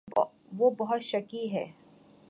وہ بہت شکی ہے